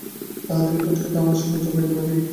তাঁহাদের নিকট হইতে আমরা সাহায্য পাইতে পারি।